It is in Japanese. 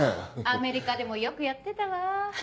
アメリカでもよくやってたわ。